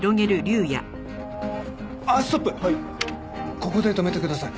ここで止めてください。